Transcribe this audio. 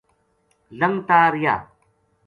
لھنگتا رہیا